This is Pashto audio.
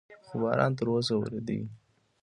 خو باران تر اوسه ورېده.